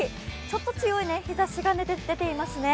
ちょっと強い日ざしが出ていますね。